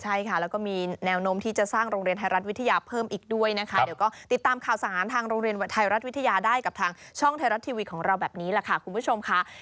ใช่ค่ะแล้วก็มีแนวโน้มที่จะสร้างโรงเรียนไทยรัฐวิทยาเพิ่มอีกด้วยนะคะเดี๋ยวก็ติดตามข่าวสารทางโรงเรียนไทยรัฐวิทยาได้กับทางช่องไทยรัฐทีวีของเราแบบนี้แหละค่ะคุณผู้ชมค่ะ